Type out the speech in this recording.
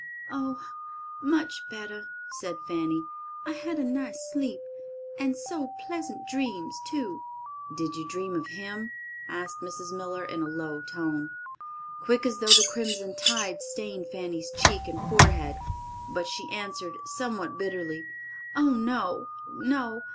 "Oh, much better," said Fanny. "I had a nice sleep, and so pleasant dreams, too." "Did you dream of him?" asked Mrs. Miller, in a low tone. Quick as thought the crimson tide stained Fanny's cheek and forehead, but she answered, somewhat bitterly, "Oh, no, no!